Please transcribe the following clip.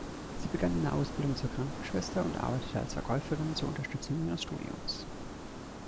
Sie begann eine Ausbildung zur Krankenschwester und arbeitete als Verkäuferin zur Unterstützung ihres Studiums.